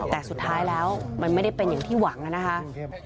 แต่สุดท้ายแล้วมันไม่ได้เป็นอย่างที่หวังนะครับ